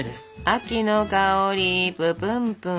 秋の香りププンプン。